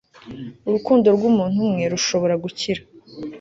urukundo rw'umuntu umwe rushobora gukira